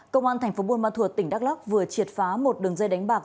công an tp buôn ma thuột tỉnh đắk lóc vừa triệt phá một đường dây đánh bạc